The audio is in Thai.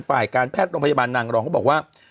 ฝ่ายการแพทย์โรงพยาบาลนางรองก็บอกว่า